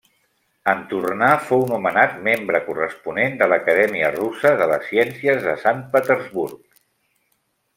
En tornar fou nomenat membre corresponent de l'Acadèmia Russa de les Ciències de Sant Petersburg.